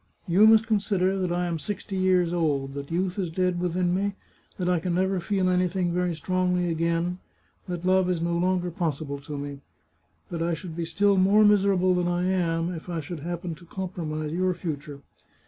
You must consider that I am sixty years old, that youth is dead within me, that I can never feel any thing very strongly again, that love is no longer possible to me. But I should be still more miserable than I am if I should happen to compromise your future.